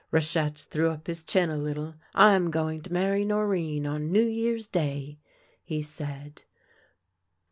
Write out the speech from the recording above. Rachette threw up his chin a little. " I'm going to marry Norinne on New Year's Day," he said.